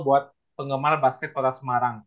buat penggemar basket kota semarang